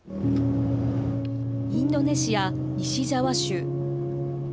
インドネシア西ジャワ州。